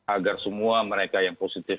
agar semua mereka yang positif